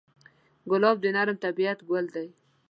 ګلاب د نرم طبعیت ګل دی.